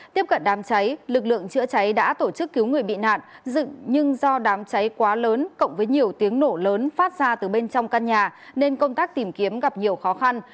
tiếp cận đám cháy lực lượng chữa cháy đã tổ chức cứu người bị nạn dựng nhưng do đám cháy quá lớn cộng với nhiều tiếng nổ lớn phát ra từ bên trong căn nhà nên công tác tìm kiếm gặp nhiều khó khăn